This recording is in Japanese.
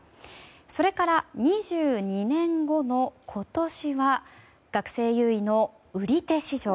それから２２年後の今年は学生優位の売り手市場。